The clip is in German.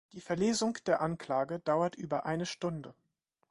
Die Verlesung der Anklage dauert über eine Stunde.